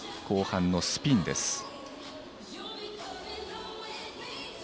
後半のスピンです。